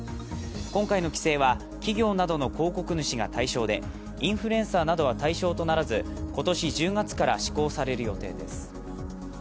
今回の規制は企業などの広告主が対象でインフルエンサーなどは対象とならず、今年１０月から施行される予定です。